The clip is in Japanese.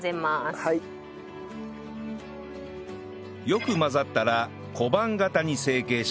よく混ざったら小判形に成形し